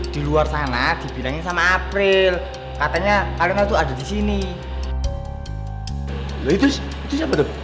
di luar sana dibilangin samalah sama apa loaded matuhuka ya banyuje primero